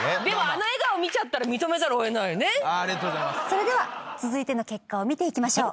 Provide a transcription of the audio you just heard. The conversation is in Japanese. それでは続いての結果を見ていきましょう。